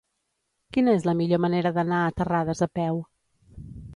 Quina és la millor manera d'anar a Terrades a peu?